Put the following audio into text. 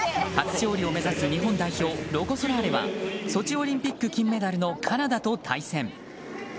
初勝利を目指す日本代表ロコ・ソラーレはソチオリンピック金メダルのカナダと対戦。